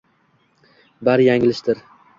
bari yanglishdir